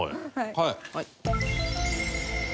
はい。